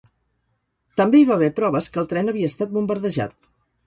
També hi va haver proves que el tren havia estat bombardejat.